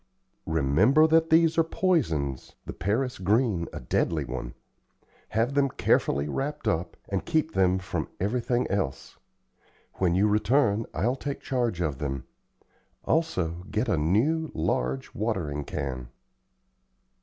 Remember that these are poisons, the Paris green a deadly one. Have them carefully wrapped up, and keep them from everything else. When you return I'll take charge of them. Also, get a new large watering can."